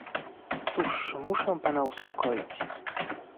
Cóż, muszę pana uspokoić